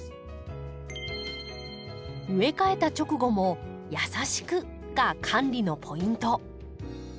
植え替えた直後も「優しく！」が管理のポイント。